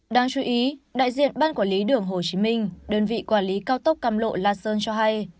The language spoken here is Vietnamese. đáng chú ý đại diện ban quản lý đường hồ chí minh đơn vị quản lý cao tốc cam lộ la sơn cho hay